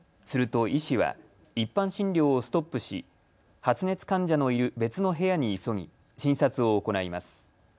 すると医師は一般診療をストップし発熱患者のいる別の部屋に急ぎ診察を行います。